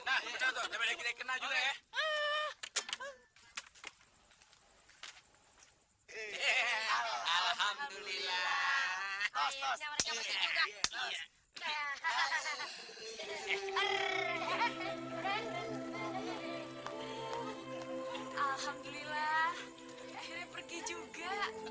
alhamdulillah akhirnya pergi juga